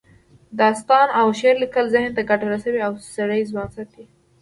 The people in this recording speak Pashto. داستان او شعر لیکل ذهن ته ګټه رسوي او سړی ځوان ساتي